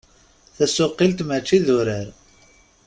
Tasuqilt mačči d urar.